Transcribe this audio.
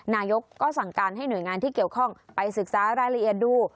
นายกก็สั่งการให้หน่วยงานที่เกี่ยวข้องไปศึกษารายละเอียดดู